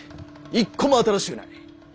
一個も新しゅうない。